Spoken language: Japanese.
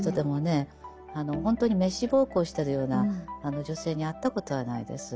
ほんとに滅私奉公してるような女性に会ったことはないです。